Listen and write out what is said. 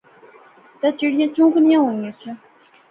تہ چڑیاں چوکانیاں ہونیاں سیا